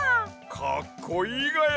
かっこいいがや！